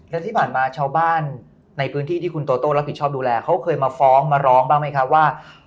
แล้วที่ผ่านมาชาวบ้านในพื้นที่ที่คุณโตโต้รับผิดชอบดูแลเขาเคยมาฟ้องมาร้องบ้างไหมครับว่า